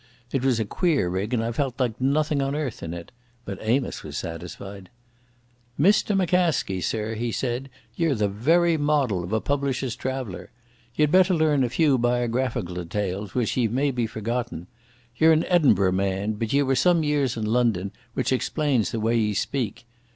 It was a queer rig, and I felt like nothing on earth in it, but Amos was satisfied. "Mr McCaskie, sir," he said, "ye're the very model of a publisher's traveller. Ye'd better learn a few biographical details, which ye've maybe forgotten. Ye're an Edinburgh man, but ye were some years in London, which explains the way ye speak.